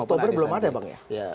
oktober belum ada bang ya